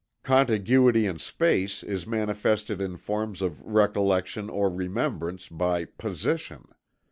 Contiguity in space is manifested in forms of recollection or remembrance by "position."